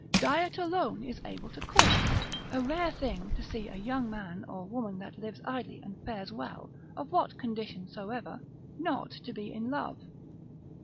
Diet alone is able to cause it: a rare thing to see a young man or a woman that lives idly and fares well, of what condition soever, not to be in love.